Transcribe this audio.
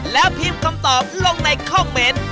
แล้วพิมพ์คำตอบลงในคอมเมนต์